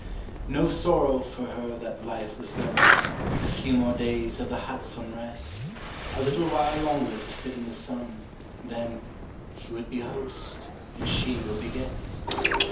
No sorrow for her that life was done: A few more days of the hut's unrest, A little while longer to sit in the sun, Then He would be host, and she would be guest!